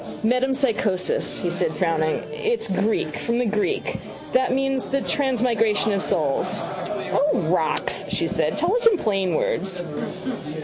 —Metempsychosis, he said, frowning. It's Greek: from the Greek. That means the transmigration of souls. —O, rocks! she said. Tell us in plain words.